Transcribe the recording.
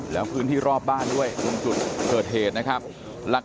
แล้วพื้นที่รอบบ้านด้วยตรงจุดเกิดเหตุนะครับ